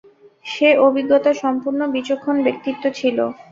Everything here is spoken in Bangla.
সে অভিজ্ঞতা সম্পন্ন, বিচক্ষণ ব্যক্তিত্ব ছিল।